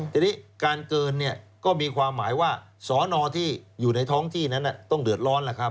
ทีนี้การเกินเนี่ยก็มีความหมายว่าสอนอที่อยู่ในท้องที่นั้นต้องเดือดร้อนล่ะครับ